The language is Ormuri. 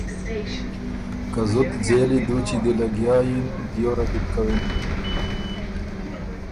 که زُت ځېلی دُوچی دی لګیا یِن دیوره دی بو کوِن